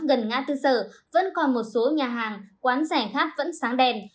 gần nga tư sở vẫn còn một số nhà hàng quán rẻ khác vẫn sáng đèn